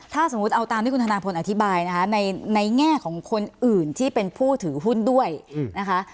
ถ้าสมมุติเอาตามที่คุณธนาพลอธิบายนะคะในแง่ของคนอื่นที่เป็นผู้ถือหุ้นด้วยนะคะ